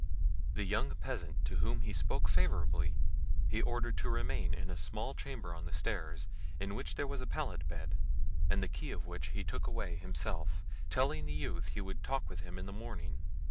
The young peasant, to whom he spoke favourably, he ordered to remain in a small chamber on the stairs, in which there was a pallet bed, and the key of which he took away himself, telling the youth he would talk with him in the morning.